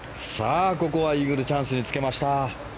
ここはイーグルチャンスにつけました。